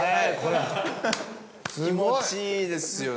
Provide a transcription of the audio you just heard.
気持ちいいですよね